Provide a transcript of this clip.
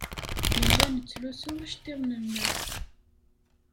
Nella nettlusu iceḍḍiḍen-nneɣ.